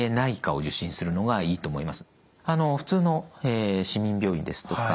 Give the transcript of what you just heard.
普通の市民病院ですとか